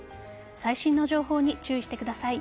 最新の情報に注意してください。